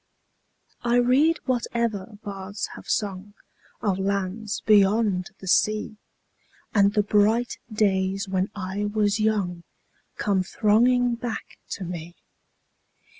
I read whatever bards have sung Of lands beyond the sea, 10 And the bright days when I was young Come thronging back to me.